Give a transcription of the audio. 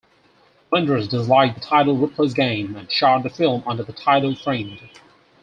Wenders disliked the title "Ripley's Game" and shot the film under the title "Framed".